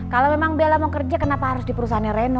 kalau memang bella mau kerja kenapa harus di perusahaannya reno